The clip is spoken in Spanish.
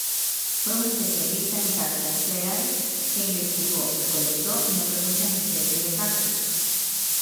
Fue un especialista en Cactaceae, que investigó, recolectó y nombró muchas especies de cactus.